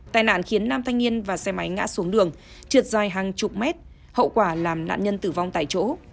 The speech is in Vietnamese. tai nạn khiến nam thanh niên và xe máy ngã xuống đường trượt dài hàng chục mét hậu quả làm nạn nhân tử vong tại chỗ